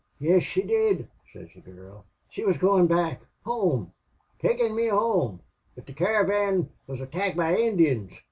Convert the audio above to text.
"'Yes, she did,' sez the gurl. 'She wuz goin' back. Home! Takin' me home. But the caravan wuz attacked by Injuns.